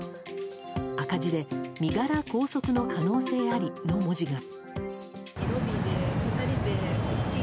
赤字で身柄拘束の可能性ありの文字が。